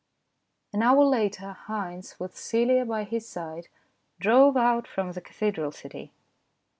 An hour later Haynes, with Celia by his side, drove out from the cathedral city.